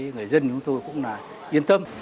người dân chúng tôi cũng yên tâm